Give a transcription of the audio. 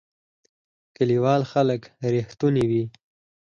کلیوال خلک رښتونی وی